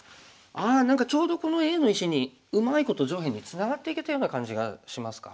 あ何かちょうどこのＡの石にうまいこと上辺にツナがっていけたような感じがしますか。